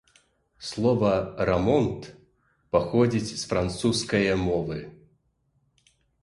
Слова „рамонт“ паходзіць з францускае мовы.